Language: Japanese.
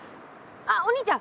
あっお兄ちゃん